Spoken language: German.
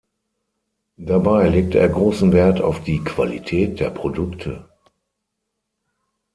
Dabei legte er großen Wert auf die Qualität der Produkte.